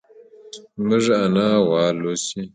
زموږ انا غوا لوسي.